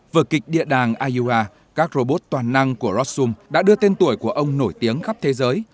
vừa kịch địa đàng iua các robot toàn năng của rossum đã đưa tên tuổi của ông nổi tiếng khắp thế giới